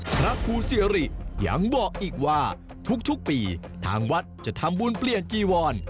พระครูสิริยังบอกอีกว่าทุกปีทางวัดจะทำบุญเปลี่ยนจีวร